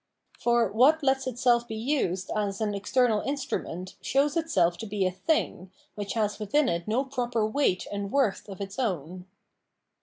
For what lets itself be used as an external instrument shows itself to be a thing, which has within it no proper weight and worth of its own.